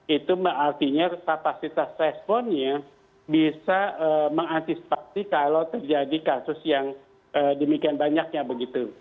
itu artinya kapasitas responnya bisa mengantisipasi kalau terjadi kasus yang demikian banyaknya begitu